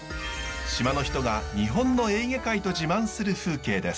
島の人が日本のエーゲ海と自慢する風景です。